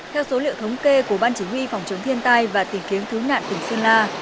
theo số liệu thống kê của ban chỉ huy phòng chống thiên tai và tìm kiếm cứu nạn tỉnh sơn la